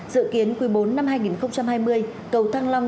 dự kiến quý bốn năm hai nghìn hai mươi cầu thăng long